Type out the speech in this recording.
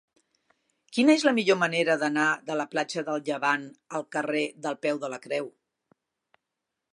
Quina és la millor manera d'anar de la platja del Llevant al carrer del Peu de la Creu?